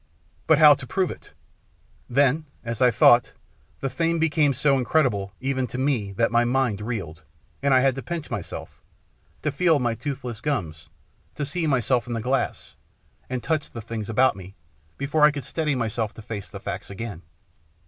But how to prove it? Then, as I thought, the thing became so incredible, even to me, that my mind reeled, and I had to pinch myself, to feel my toothless gums, to see myself in the glass, and touch the things about me, before I could steady myself to face the facts again.